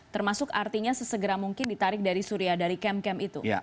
termasuk artinya sesegera mungkin ditarik dari surya dari camp camp itu